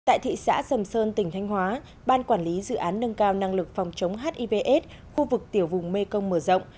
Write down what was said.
tại thị xã sầm sơn tỉnh thanh hóa ban quản lý dự án nâng cao năng lực phòng chống hiv aids khu vực tiểu vùng mê công mở rộng